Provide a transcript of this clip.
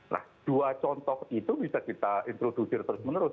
nah dua contoh itu bisa kita introdusir terus menerus